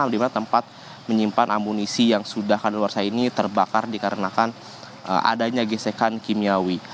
di mana tempat menyimpan amunisi yang sudah kadaluarsa ini terbakar dikarenakan adanya gesekan kimiawi